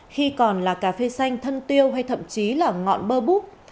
khi còn là cà phê xanh thân tiêu hay thậm chí là ngọn bơ búp